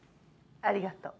ありがとう。